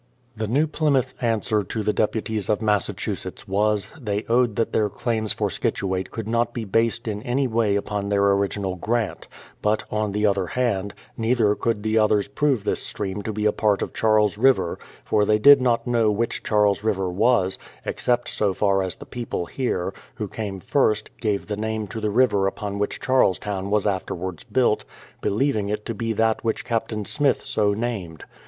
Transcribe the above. The New Plymouth answer to the deputies of Massa chusetts was, they owned that their claims for Scituate could not be based in any way upon their original grant ; but, on the other hand, neither could the others prove this stream to be a part of Charles River, for they did not know which Charles River was, except so far as the people here, who came first, gave the name to the river upon which Charlestown was afterwards built, believing it to be that which Captain Smith so named.